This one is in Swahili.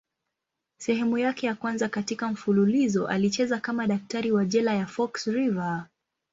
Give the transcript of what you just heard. Sehemu yake ya kwanza katika mfululizo alicheza kama daktari wa jela ya Fox River.